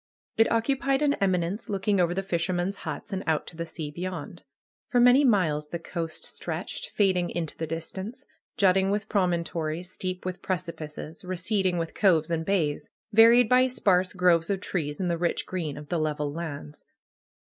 It occupied an eminence looking over the fishermen's huts, and out to the sea beyond. For many miles the coast stretched, fading into the distance; jutting with promontories, steep with preci pices, receding with coves and bays; varied by sparse groves of trees, and the rich green of the level lands.